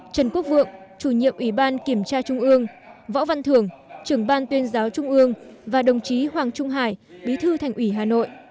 trần quốc vượng chủ nhiệm ủy ban kiểm tra trung ương võ văn thưởng trưởng ban tuyên giáo trung ương và đồng chí hoàng trung hải bí thư thành ủy hà nội